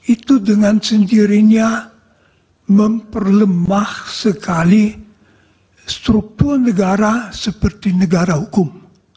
itu dengan sendirinya memperlemah sekali struktur negara seperti negara hukum